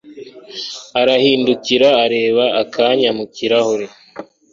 Arahindukira areba akanya mu kirahure